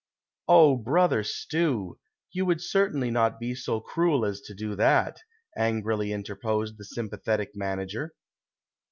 " Oh ! Brother Stew, you would certainly not be so cruel as to do that," angrily interposed the sympathetic man ager.